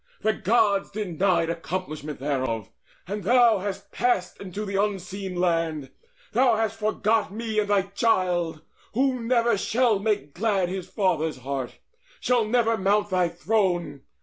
The Gods denied Accomplishment thereof. And thou hast passed Unto the Unseen Land: thou hast forgot Me and thy child, who never shall make glad His father's heart, shall never mount thy throne.